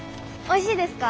おいしいですか？